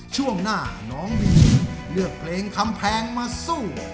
ช่วงหน้าน้องวินเลือกเพลงคำแพงมาสู้